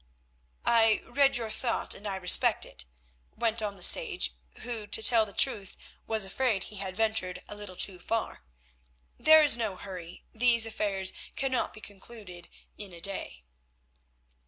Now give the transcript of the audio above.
"I read your thought and I respect it," went on the sage, who, to tell truth, was afraid he had ventured a little too far. "There is no hurry; these affairs cannot be concluded in a day."